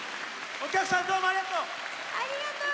お客さんどうもありがとう！